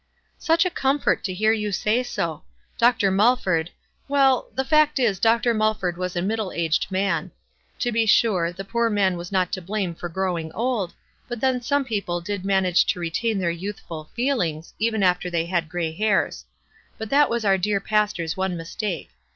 " Such a comfort to hear you say so ! Dr. Mulford— Well, the fact is, Dr. Mulford was a middle aged man. To be sure, the poor man was not to blame for growing old, but then some people did manage to retain their 3'outhful feel ings even after they had gray hairs ; but that was our dear pastor's one mistake.